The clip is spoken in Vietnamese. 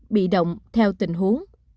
bị động theo tình huống